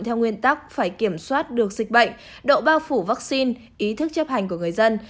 theo nguyên tắc phải kiểm soát được dịch bệnh độ bao phủ vaccine ý thức chấp hành của người dân